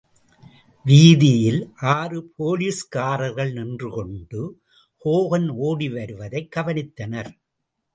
வீதியில் ஆறு போலிஸ்காரர் நின்று கொண்டு ஹோகன் ஓடிவருவதைக் கவனித்தனர்.